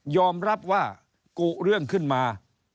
อมรับว่ากุเรื่องขึ้นมา